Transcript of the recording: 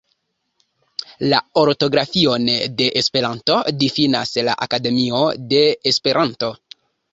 La ortografion de Esperanto difinas la Akademio de Esperanto.